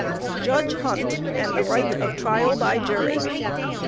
JUDGE HUNT, AND The Right of Trial by Jury.